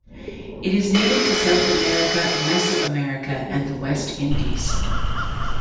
It is native to South America, Mesoamerica, and the West Indies.